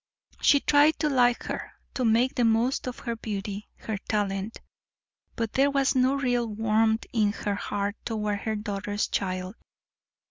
She tried to like her, to make the most of her beauty, her talent, but there was no real warmth in her heart toward her daughter's child.